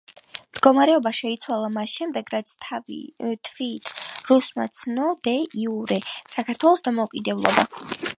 მდგომარეობა შეიცვალა მას შემდეგ, რაც თვით რუსეთმა ცნო დე იურე საქართველოს დამოუკიდებლობა.